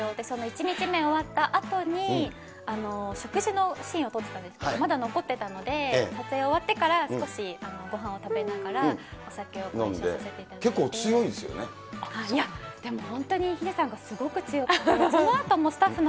その１日目終わったあとに、食事のシーンを撮ったんですけど、まだ残ってたので、撮影終わってから少しごはんを食べながら、お酒を飲ませていただいて。